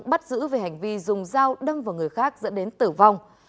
bắt giữ về hành vi dùng dao đâm vào người khác dẫn đến tử vong